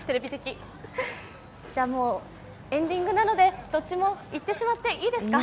もうエンディングなので、どっちもいってしまっていいですか？